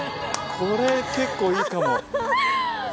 これ結構いいかも。